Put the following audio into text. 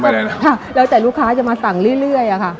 แล้วแต่ลูกค้าจะมาสั่งเรื่อยอะค่ะ